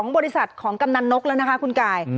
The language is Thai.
บริษัทของกำนันนกแล้วนะคะคุณกาย